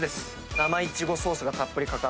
生イチゴソースがたっぷり掛かった。